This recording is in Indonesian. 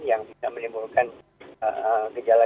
yang bisa menimbulkan gejala